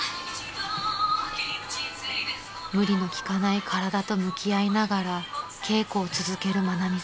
［無理の利かない体と向き合いながら稽古を続ける愛美さん］